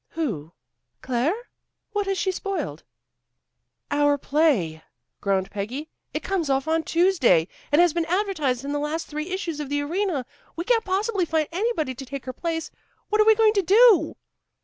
"Who? Claire? What has she spoiled?" "Our play," groaned Peggy. "It comes off on Tuesday, and has been advertised in the last three issues of the Arena. We can't possibly find anybody to take her place. What are we going to do?"